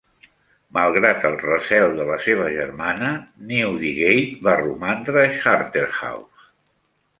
Malgrat el recel de la seva germana, Newdigate va romandre a Charterhouse.